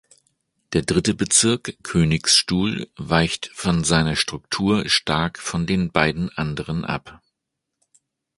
Der dritte Bezirk "Königstuhl" weicht von seiner Struktur stark von den beiden anderen ab.